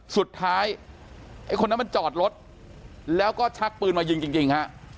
สุดท้ายไอ้คนนั้นมันจอดรถแล้วก็ชักปืนมายิงจริงฮะ